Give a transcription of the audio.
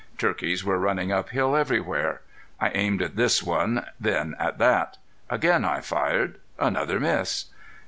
Turkeys were running up hill everywhere. I aimed at this one, then at that. Again I fired. Another miss!